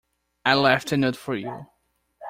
I left a note for you.